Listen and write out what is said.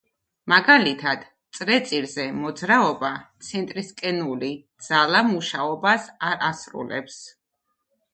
მაგალითად, წრეწირზე მოძრაობა ცენტრისკენული ძალა მუშაობას არ ასრულებს.